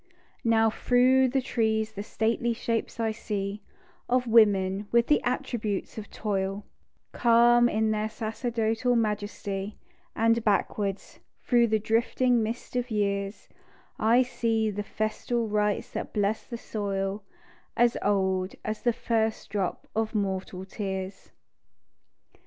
Now through the trees the stately shapes I see Of women with the attributes of toil, Calm in their sacerdotal majesty; And backward, through the drifting mist of years, I see the festal rites that blessed the soil, As old as the first drop of mortal tears.